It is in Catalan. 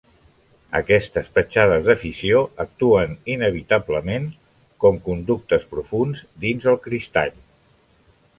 Aquestes petjades de fissió actuen, inevitablement, com conductes profunds dins el cristall.